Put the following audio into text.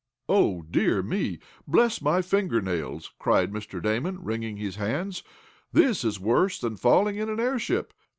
"Oh, dear me! Bless my fingernails!" cried Mr. Damon, wringing his hands. "This is worse than falling in an airship!